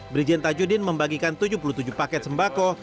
berijenta judin membagikan tujuh puluh tujuh paket sembako